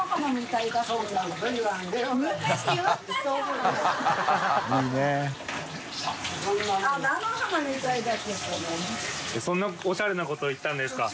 淵好織奪奸そんなおしゃれなこと言ったんですか？